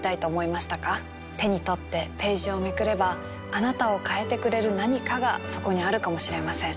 手に取ってページをめくればあなたを変えてくれる何かがそこにあるかもしれません。